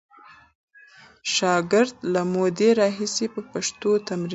شاګرد له مودې راهیسې په پښتو تمرین کوي.